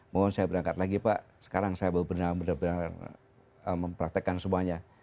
mohon saya berangkat lagi pak sekarang saya benar benar mempraktekkan semuanya